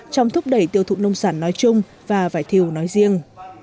trong thúc đẩy tiêu thụ nông sản nói chung và vải thiều nói riêng